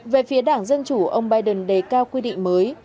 về phía đảng dân chủ ông biden đề cao quy định mới